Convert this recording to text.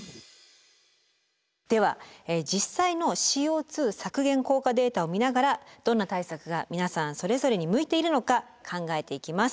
では実際のＣＯ削減効果データを見ながらどんな対策が皆さんそれぞれに向いているのか考えていきます。